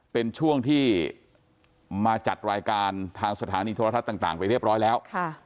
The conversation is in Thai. เป็นช่วงที่มาจัดรายการทางสถานีโทรทัศน์ต่างไปเรียบร้อยแล้ว